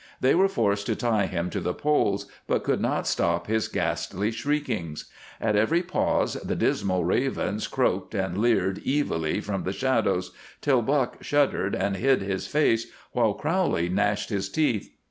They were forced to tie him to the poles, but could not stop his ghastly shriekings. At every pause the dismal ravens croaked and leered evilly from the shadows, till Buck shuddered and hid his face while Crowley gnashed his teeth.